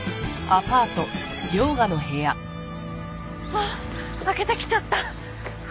ああ明けてきちゃった。